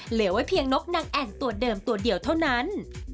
เหลือไว้เพียงนกนางแอ่นตัวเดิมตัวเดียวเท่านั้น